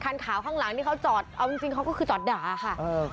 คันขาวข้างหลังที่เขาจอดเอาจริงจริงเขาก็คือจอดด่าค่ะเออ